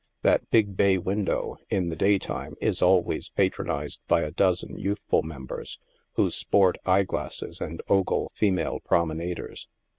That big bay window, in the day time, i3 always patronised by a dozen youthful members, who sport eye glasses and ogle female promenaders.